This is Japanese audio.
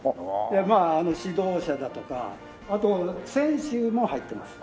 まあ指導者だとかあと選手も入ってます。